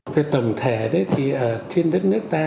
về tổng thể thì trên đất nước ta